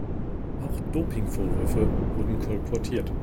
Auch Doping-Vorwürfe wurden kolportiert.